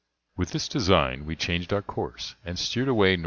With this design we changed our course, and steered away N.W.